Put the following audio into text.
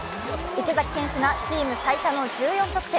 池崎選手がチーム最多の１４得点！